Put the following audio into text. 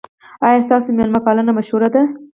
ایا ستاسو میلمه پالنه مشهوره ده؟